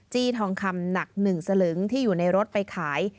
ทองคำหนัก๑สลึงที่อยู่ในรถไปขาย